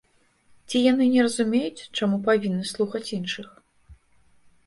Ці яны не разумеюць, чаму павінны слухаць іншых.